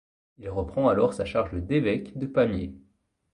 Il reprend alors sa charge d'évêque de Pamiers.